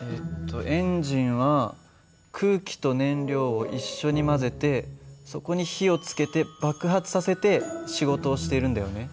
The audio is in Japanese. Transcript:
えっとエンジンは空気と燃料を一緒に混ぜてそこに火をつけて爆発させて仕事をしているんだよね。